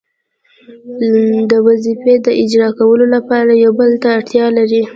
د وظیفې د اجرا کولو لپاره یو بل ته اړتیا لري.